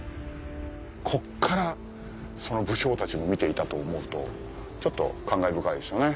こっから武将たちも見ていたと思うとちょっと感慨深いですよね。